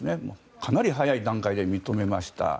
かなり早い段階で認めました。